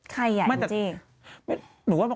ใครอย่างนี้